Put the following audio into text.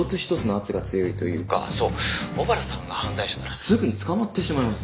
小原さんが犯罪者ならすぐに捕まってしまいます。